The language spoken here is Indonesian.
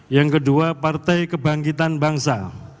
yang kedua partai kebangkitan bangsa